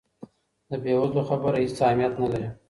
د بې وزلو خبره هیڅ اهمیت نه لري.